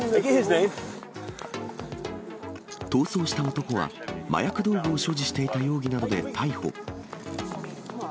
逃走した男は、麻薬道具を所持していた容疑などで逮捕。